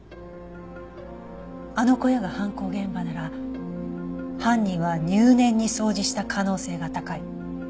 あの小屋が犯行現場なら犯人は入念に掃除した可能性が高い。